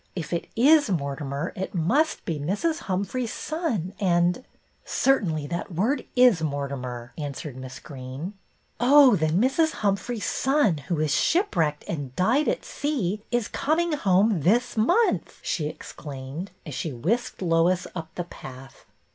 If it is Mortimer, it must be Mrs. Humphrey's son and —"" Certainly that word is Mortimer," an swered Miss Greene. " Oh, then Mrs. Humphrey's son, who was shipwrecked and died at sea, is coming home this month !" she exclaimed, as she whisked Lois up the path.